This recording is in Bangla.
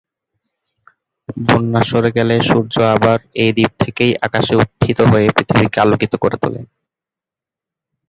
বন্যা সরে গেলে সূর্য আবার এই দ্বীপ থেকেই আকাশে উত্থিত হয়ে পৃথিবীকে আলোকিত করে তোলে।